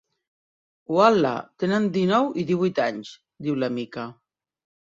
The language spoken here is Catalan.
Ual·la, tenen dinou i divuit anys —diu la Mica—.